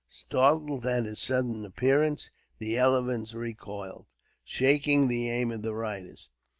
Startled at his sudden appearance, the elephants recoiled, shaking the aim of their riders.